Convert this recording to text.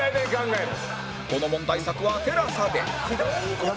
この問題作は ＴＥＬＡＳＡ で